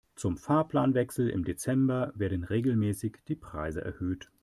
Zum Fahrplanwechsel im Dezember werden regelmäßig die Preise erhöht.